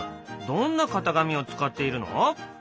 どんな型紙を使っているの？